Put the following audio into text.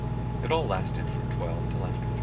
It all lasted from 12 till after 3.